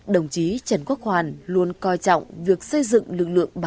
đồng chí trần quốc hoàn luôn coi trọng việc xây dựng lực lượng bí mật